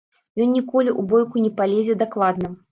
Ён ніколі ў бойку не палезе дакладна.